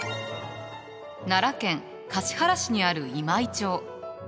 奈良県橿原市にある今井町。